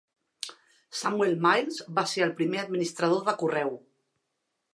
Samuel Miles va ser el primer administrador de correu.